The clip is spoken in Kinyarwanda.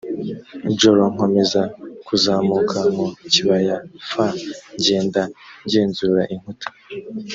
joro nkomeza kuzamuka mu kibaya f ngenda ngenzura inkuta